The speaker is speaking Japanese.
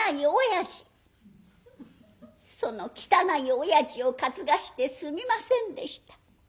その汚い親父を担がせてすみませんでした。